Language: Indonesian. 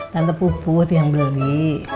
tante puput yang beli